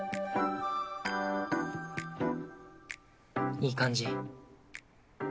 いい感じ。